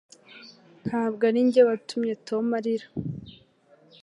Ntabwo ari njye watumye Tom arira